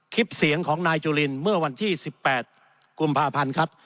คลิปเสียงของนายจุลินเมื่อวันที่๑๘กุมภาพันธ์ครับ